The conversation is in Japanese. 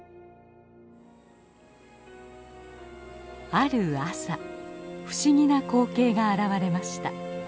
ある朝不思議な光景が現れました。